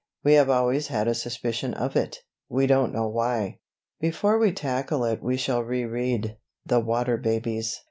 We have always had a suspicion of it, we don't know why. Before we tackle it we shall re read "The Water Babies."